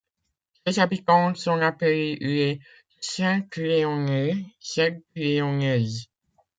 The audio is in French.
Ses habitants sont appelés les Saint-Léonnais, Saint-Léonnaises.